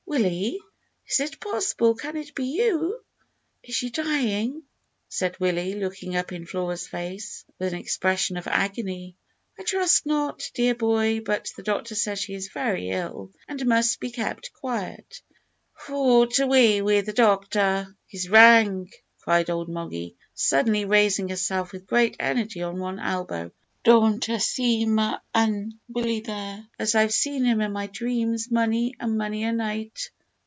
"Willie, is it possible; can it be you?" "Is she dyin'?" said Willie, looking up in Flora's face with an expression of agony. "I trust not, dear boy; but the doctor says she is very ill, and must be kept quiet." "Hoot, awa' wi' the doctor! He's wrang," cried old Moggy, suddenly raising herself with great energy on one elbow; "don't I see my ain Willie there, as I've seen him in my dreams mony and mony a night?"